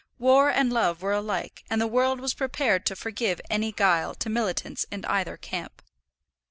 War and love were alike, and the world was prepared to forgive any guile to militants in either camp.